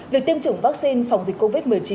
việc tiêm chủng vaccine phòng dịch covid một mươi chín